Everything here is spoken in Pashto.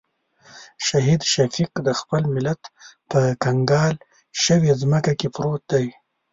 شهید شفیق د خپل ملت په کنګال شوې ځمکه کې پروت دی.